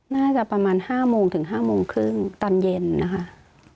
น่าจะประมาณ๕โมงถึง๕โมงครึ่งตอนเย็นนะคะ